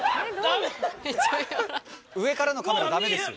上からのカメラダメですよ。